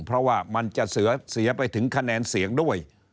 เพราะว่ามันจะเสียไปถึงคะแนนเสียงด้วย